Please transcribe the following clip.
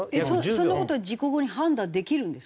そんな事事故後に判断できるんですか？